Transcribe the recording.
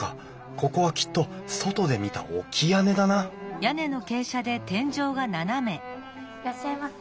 ここはきっと外で見た置き屋根だないらっしゃいませ。